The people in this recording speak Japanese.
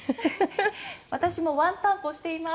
私もワンたんぽしています。